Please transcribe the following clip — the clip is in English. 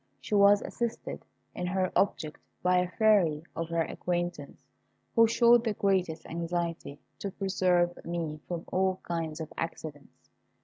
She was assisted in her object by a Fairy of her acquaintance, who showed the greatest anxiety to preserve me from all kinds of accidents.